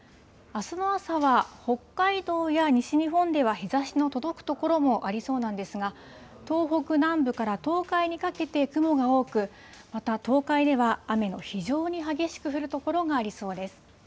あすの朝は、北海道や西日本では日ざしの届く所もありそうなんですが、東北南部から東海にかけて雲が多く、また東海では、雨の非常に激しく降る所がありそうです。